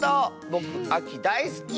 ぼくあきだいすき！